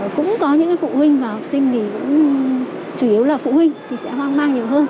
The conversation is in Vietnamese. cũng có những phụ huynh và học sinh thì cũng chủ yếu là phụ huynh thì sẽ hoang mang nhiều hơn